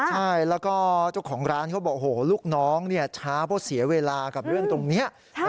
ใช่แล้วก็เจ้าของร้านเขาบอกโอ้โหลูกน้องช้าเพราะเสียเวลากับเรื่องตรงนี้